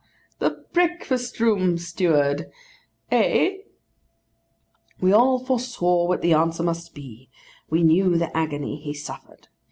the breakfast room, steward—eh?' We all foresaw what the answer must be: we knew the agony he suffered.